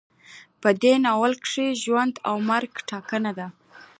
په دې ناول کې د ژوند او مرګ ټاکنه ده.